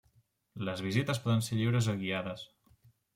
Les visites poden ser lliures o guiades.